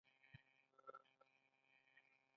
دوی سپوږمکۍ فضا ته لیږلي.